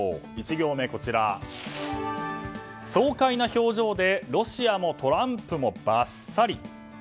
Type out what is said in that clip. １行目、爽快な表情でロシアもトランプもバッサリ。